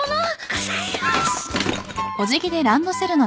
ございます。